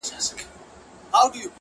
• له وختونو مي تر زړه ویني څڅیږي,